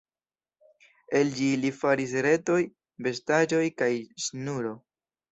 El ĝi ili faris retoj, vestaĵoj, kaj ŝnuro.